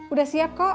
udah siap kok